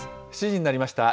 ７時になりました。